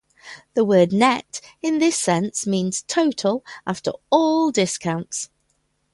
The word "net" in this sense means "total after all discounts.